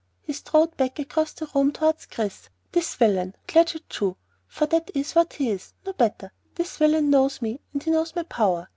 He strode back across the room towards Chris. "This villain, Claggett Chew for that is what he is, no better this villain knows me and he knows my power.